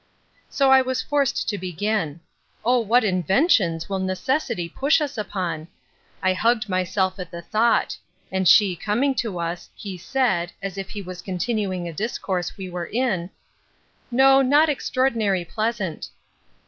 So I was forced to begin. O what inventions will necessity push us upon! I hugged myself at the thought; and she coming to us, he said, as if he was continuing a discourse we were in: No, not extraordinary pleasant.